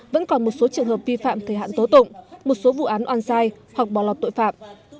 vẫn còn một số trường hợp vi phạm thời hạn tố tụng một số vụ án oan sai hoặc bỏ lọt tội phạm